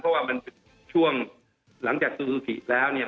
เพราะว่ามันเป็นช่วงหลังจากซูซูกิแล้วเนี่ย